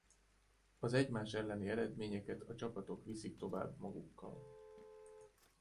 Az egymás elleni eredményeket a csapatok viszik tovább magukkal.